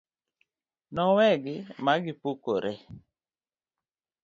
nowegi magipukore